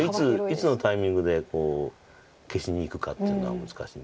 いつのタイミングで消しにいくかっていうのは難しいんですけど。